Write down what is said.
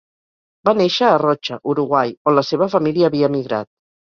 Va néixer a Rocha, Uruguai, on la seva família havia emigrat.